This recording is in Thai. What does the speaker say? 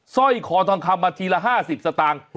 สร้อยคอทองคำมาทีละ๕๐สตางค์